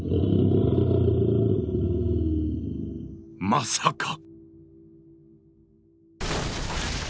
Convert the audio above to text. まさか。